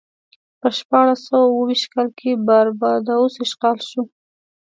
په شپاړس سوه اوه ویشت کال کې باربادوس اشغال شو.